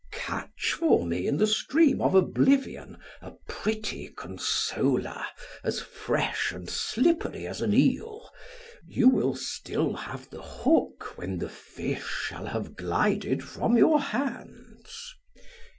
catch for me in the stream of oblivion a pretty consoler, as fresh and slippery as an eel; you will still have the hook when the fish shall have glided from your hands.